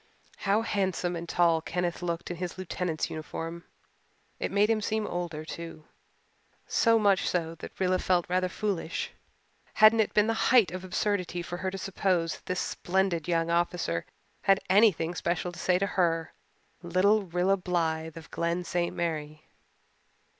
How handsome and tall Kenneth looked in his lieutenant's uniform! It made him seem older, too so much so that Rilla felt rather foolish. Hadn't it been the height of absurdity for her to suppose that this splendid young officer had anything special to say to her, little Rilla Blythe of Glen St. Mary?